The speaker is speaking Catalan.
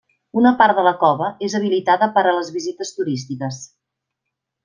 Una part de la cova és habilitada per a les visites turístiques.